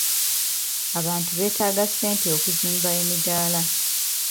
Abantu beetaaga ssente okuzimba emidaala.